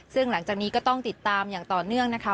ซึ่งหลังจากนี้ก็ต้องติดตามอย่างต่อเนื่องนะคะ